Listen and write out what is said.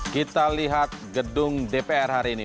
kita lihat gedung dpr hari ini